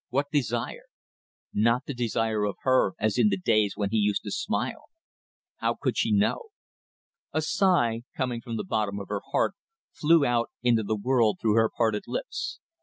What desire? Not the desire of her as in the days when he used to smile ... How could she know? ... A sigh coming from the bottom of her heart, flew out into the world through her parted lips.